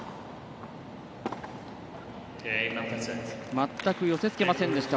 全く寄せつけませんでした。